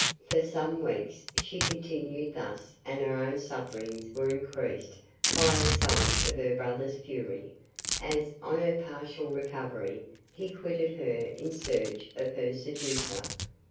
For some weeks she continued thus and her own sufferings were increased by he sight of her brother's fury, as, on her partial recovery, he quitted her in search of her seducer.